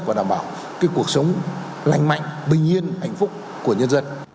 và đảm bảo cái cuộc sống lành mạnh bình yên hạnh phúc của nhân dân